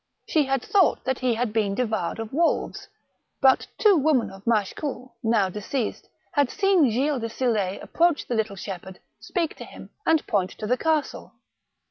She had thought that he had been devoured of wolves, but two women of Machecoul, now deceased, had seen Gilles de Sill6 approach the little shepherd, speak to him, and point to the castle.